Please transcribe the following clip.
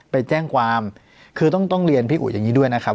ไปแจ้งความคือต้องเรียนพี่อุ๋อย่างนี้ด้วยนะครับ